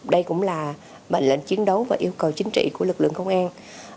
đây cũng là mệnh lệnh chiến đấu và yêu cầu chính trị của lực lượng công an